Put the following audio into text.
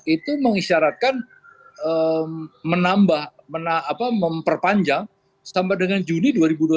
itu mengisyaratkan menambah memperpanjang sampai dengan juni dua ribu dua puluh